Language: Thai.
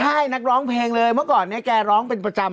ใช่นักร้องเพลงเลยเมื่อก่อนนี้แกร้องเป็นประจำ